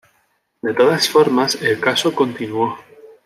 De todas formas, el caso continuó.